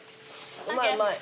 うまいうまい。